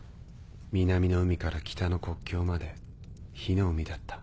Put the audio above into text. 南の海から北の国境まで火の海だった。